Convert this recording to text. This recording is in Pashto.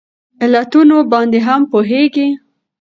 علتونو باندې هم پوهیږي